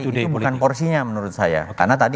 itu bukan porsinya menurut saya karena tadi